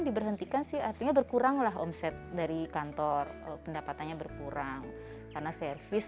diberhentikan sih artinya berkuranglah omset dari kantor pendapatannya berkurang karena servis